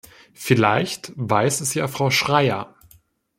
Vielleicht weiß es ja Frau Schreyer.